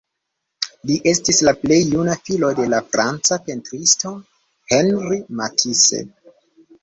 Li estis la plej juna filo de la franca pentristo Henri Matisse.